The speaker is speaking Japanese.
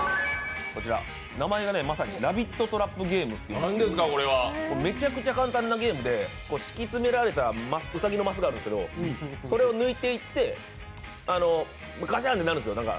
名前がまさに「ラビットトラップゲーム」っていうんですけどめちゃくちゃ簡単なゲームで敷き詰められたうさぎのマスがあるんですけどそれを抜いていって、がしゃんってなるんですよ。